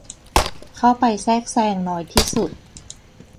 เข้าไปแทรกแซงน้อยที่สุด